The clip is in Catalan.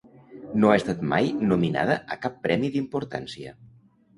No ha estat mai nominada a cap premi d'importància.